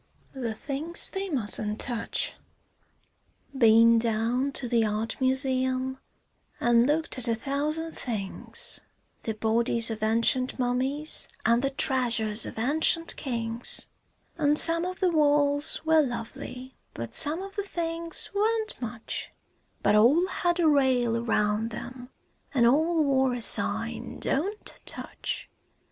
THE THINGS THEY MUSTN'T TOUCH Been down to the art museum an' looked at a thousand things, The bodies of ancient mummies an' the treasures of ancient kings, An' some of the walls were lovely, but some of the things weren't much, But all had a rail around 'em, an' all wore a sign "Don't touch."